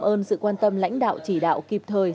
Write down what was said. cảm ơn sự quan tâm lãnh đạo chỉ đạo kịp thời